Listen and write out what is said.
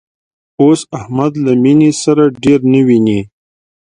اوس احمد له مینې سره ډېر نه ویني